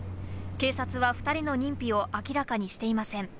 警察は２人の認否を明らかにしていません。